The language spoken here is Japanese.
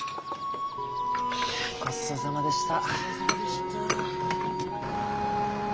ごちそうさまでした。